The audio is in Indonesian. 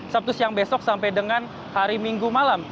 sabtu siang besok sampai dengan hari minggu malam